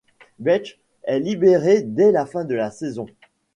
Becht est libéré dès la fin de la saison.